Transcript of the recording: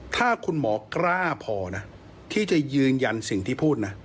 ถ้าคุณหมอกล้าพอนะที่จะยืนยันสิ่งที่พูดนะ